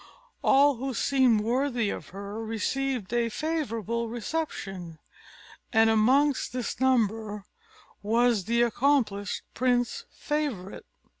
All who seemed worthy of her received a favourable reception, and amongst this number was the accomplished Prince Favourite.